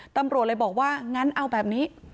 ตำรวจเลยบอกว่างั้นเอาแบบนี้